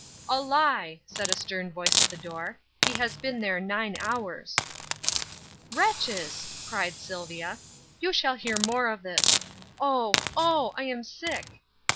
"A lie!" said a stern voice at the door. "He has been there nine hours!" "Wretches!" cried Sylvia, "you shall hear more of this. Oh, oh! I am sick!"